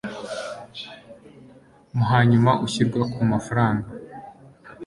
mu hanyuma ushyirwa ku mafaranga